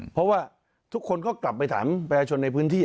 เพราะว่าทุกคนก็กลับไปถามประชาชนในพื้นที่